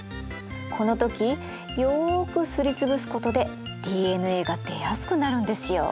この時よくすりつぶすことでＤＮＡが出やすくなるんですよ。